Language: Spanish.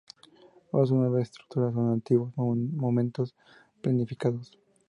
Otras nueve estructuras son antiguos monumentos planificados.